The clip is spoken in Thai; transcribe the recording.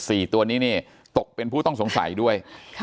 สี่ตัวนี้นี่ตกเป็นผู้ต้องสงสัยด้วยค่ะ